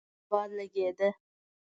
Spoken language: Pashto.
سوړ باد لګېده.